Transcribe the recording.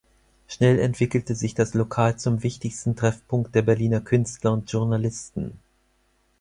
Schnell entwickelte sich das Lokal zum wichtigsten Treffpunkt der Berliner Künstler und Journalisten.